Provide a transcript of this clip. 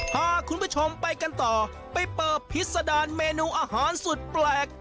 พาคุณผู้ชมไปกันต่อไปเปิบพิษดารเมนูอาหารสุดแปลก